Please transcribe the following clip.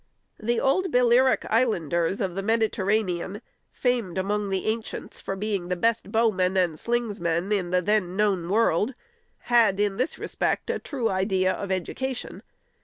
The old Balearic islanders of the Mediterranean, famed among the ancients for being the best bowmen and slingsmen in the then known world, had in this respect a true idea of Education.